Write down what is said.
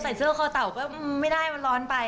ใส่เสื้อคอเต่าก็ไม่ได้มันร้อนไป